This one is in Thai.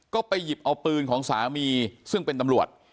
ก็ไปหยิบเอาปืนของสามีซึ่งเป็นตำรวจ